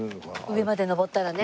上まで登ったらね。